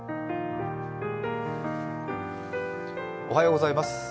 おはようございます。